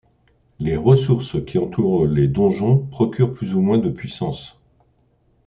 Les ressources qui entourent les donjons procurent plus ou moins de puissance.